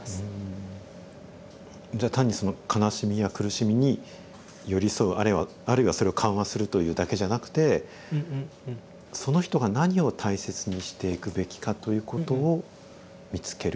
じゃあ単にその悲しみや苦しみに寄り添うあるいはそれを緩和するというだけじゃなくてその人が何を大切にしていくべきかということを見つける。